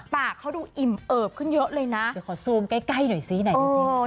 ปากเขาดูอิ่มเอิบขึ้นเยอะเลยนะเดี๋ยวขอซูมใกล้หน่อยซิไหนดูสิ